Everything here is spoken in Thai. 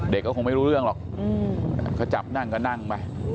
เด็กก็คงไม่รู้เรื่องหรอกเขาจับนั่งก็นั่งไป